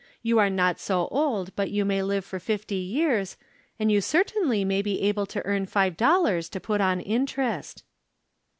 You are not so old but that you may live for fifty years, and you certainly may be able to earn five dollars to put on interest."